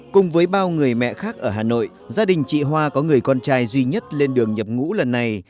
cùng với bao người mẹ khác ở hà nội gia đình chị hoa có người con trai duy nhất lên đường nhập ngũ lần này